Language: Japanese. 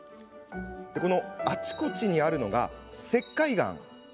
あちこちにあるのは石灰岩。